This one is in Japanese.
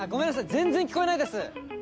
全然聞こえないです。